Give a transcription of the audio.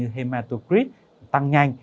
hematocrit tăng nhanh